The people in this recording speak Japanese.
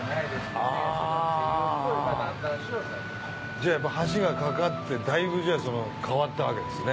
じゃあやっぱ橋が架かってだいぶ変わったわけですね。